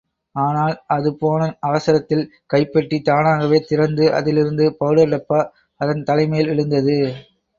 ஆனால், அது போன அவசரத்தில் கைப்பெட்டி தானாகவே திறந்து, அதிலிருந்த பவுடர் டப்பா அதன் தலைமேல் விழுந்தது.